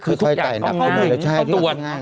คือทุกอย่างต้องง่ายตรวจ